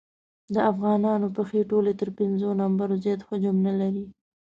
د افغانانو پښې ټولې تر پېنځو نمبرو زیات حجم نه لري.